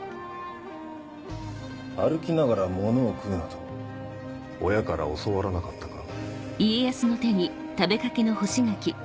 「歩きながらものを食うな」と親から教わらなかったか？